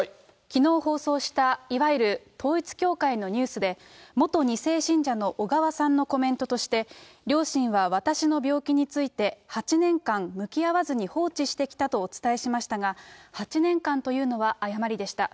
きのう放送した、いわゆる統一教会のニュースで、元２世信者の小川さんのコメントとして、両親は私の病気について、８年間向き合わずに放置してきたとお伝えしましたが、８年間というのは誤りでした。